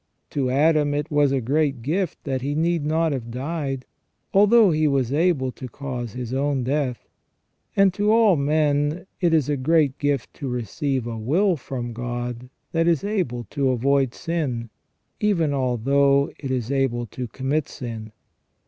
To Adam it was a great gift that he need not have died, although he was able to cause his own death ; and to all men it is a great gift to receive a will from God that is able to avoid sin, even although it is able to commit sin.